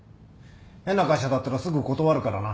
変な会社だったらすぐ断るからな。